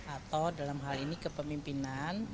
atau dalam hal ini kepemimpinan